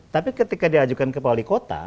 tapi ketika diajukan ke wali kota